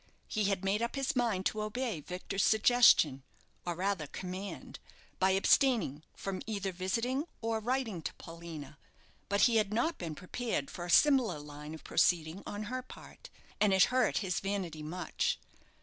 He had made up his mind to obey Victor's suggestion, or rather, command, by abstaining from either visiting or writing to Paulina; but he had not been prepared for a similar line of proceeding on her part, and it hurt his vanity much.